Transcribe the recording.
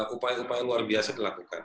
upaya upaya luar biasa dilakukan